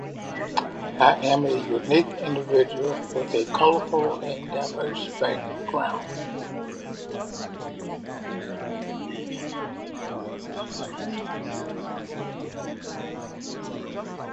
I am a unique individual with a colorful and diverse background.